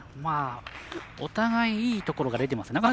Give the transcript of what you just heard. お互い、いいところが出てます。